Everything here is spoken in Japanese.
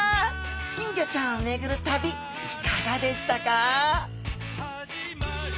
金魚ちゃんを巡る旅いかがでしたか？